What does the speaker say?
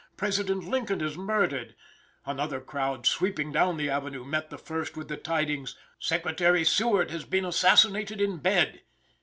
"President Lincoln is murdered." Another crowd sweeping down the avenue met the first with the tidings, "Secretary Seward has been assassinated in bed."